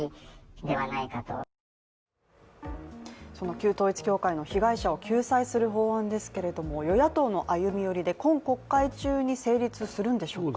旧統一教会の被害者を救済する法案ですけれども、与野党の歩み寄りで今国会中に成立するんでしょうか。